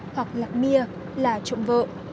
hoặc lạc mìa là trộm vợ